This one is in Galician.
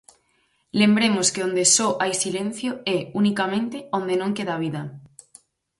Lembremos que onde só hai silencio é, unicamente, onde non queda vida.